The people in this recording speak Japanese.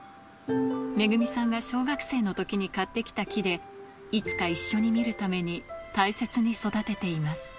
めぐみさんが小学生のときに買ってきた木で、いつか一緒に見るために、大切に育てています。